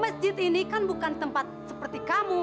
masjid ini kan bukan tempat seperti kamu